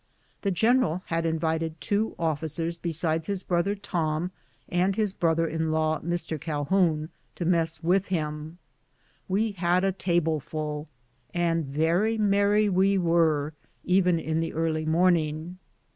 The general had invited two officers besides his brother Tom, and his brother in law, Mr. Calhoun, to mess with him. We had a tableful, and very merry we were, even in the early morning.